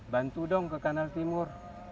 bantu dong ke kanal timur